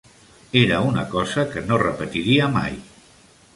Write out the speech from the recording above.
Era una cosa que no repetiria mai.